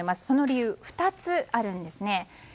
その理由が２つあるんです。